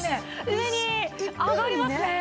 上に上がりますね。